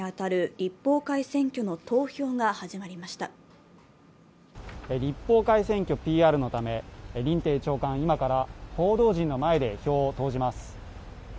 立法会選挙ＰＲのため林鄭長官、今から報道陣の前で票を投じます。